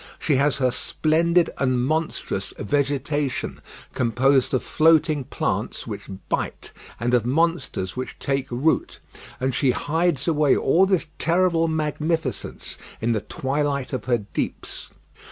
She has her splendid and monstrous vegetation, composed of floating plants which bite, and of monsters which take root; and she hides away all this terrible magnificence in the twilight of her deeps.